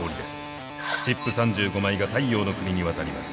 チップ３５枚が太陽ノ国に渡ります。